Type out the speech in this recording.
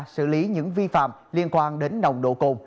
xử lý những vi phạm liên quan đến nồng độ cồn